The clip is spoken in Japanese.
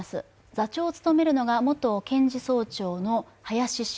座長を務めるのが元検事総長の林氏。